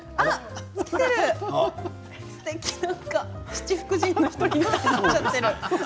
七福神の１人になっちゃっている。